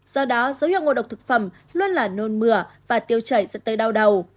do đó dấu hiệu ngộ độc thực phẩm luôn là nôn mửa và tiêu chảy dẫn tới đau đầu